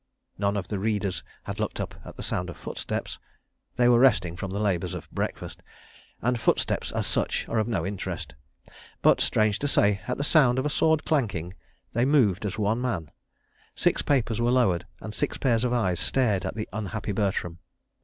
None of the readers had looked up at the sound of footsteps—they were resting from the labours of breakfast, and footsteps, as such, are of no interest. But, strange to say, at the sound of a sword clanking, they moved as one man; six papers were lowered and six pairs of eyes stared at the unhappy Bertram.